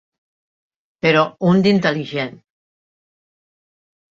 Però un d'intel·ligent.